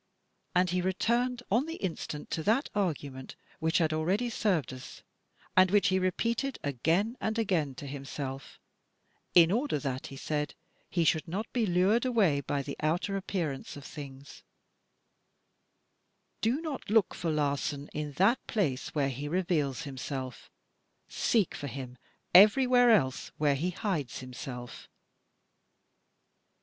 And he returned on the instant to that argument which had already served us and which he repeated again and again to himself (in order that, he said, he shoidd not be lured away by the outer appearance of things) :" Do not look for Larsan in that place where he reveals himself; seek for him everywhere else where he hides him self."